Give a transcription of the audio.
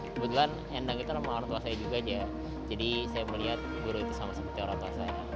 kebetulan endang itu memang orang tua saya juga aja jadi saya melihat guru itu sama seperti orang tua saya